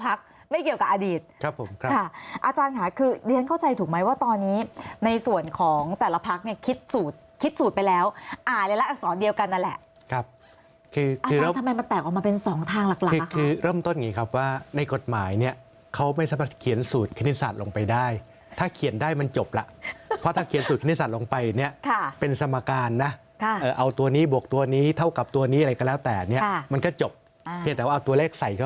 รองศัตริย์อาจารย์สวมชัยศรีสุธิยากรอาจารย์สวมชัยศรีสุธิยากรอาจารย์สวมชัยศรีสุธิยากรอาจารย์สวมชัยศรีสุธิยากรอาจารย์สวมชัยศรีสุธิยากรอาจารย์สวมชัยศรีสุธิยากรอาจารย์สวมชัยศรีสุธิยากรอาจารย์สวมชัยศรีสุธิยากรอาจารย์สวมชั